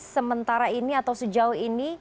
sementara ini atau sejauh ini